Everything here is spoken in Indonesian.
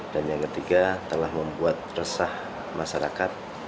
dan yang ketiga telah membuat resah masyarakat